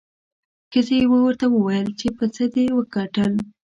ښځې یې ورته وویل چې په څه دې وګټل؟